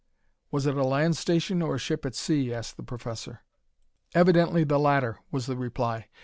"Was it a land station or a ship at sea?" asked the professor. "Evidently the latter," was the reply.